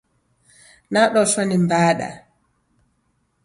Nadoshwa ni mbada.